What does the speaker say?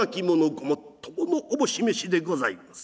「ごもっとものおぼし召しでございます」。